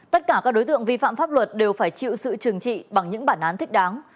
tất cả các đối tượng vi phạm pháp luật đều phải chịu sự trừng trị bằng những bản án thích đáng